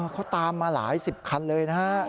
เขาตามมาหลายสิบคันเลยนะฮะ